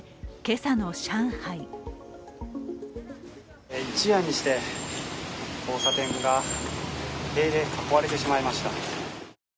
一夜にして交差点が塀で囲われてしまいました。